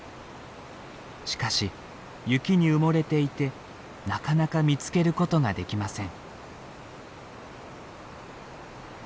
しかし雪に埋もれていてなかなか見つけることができません。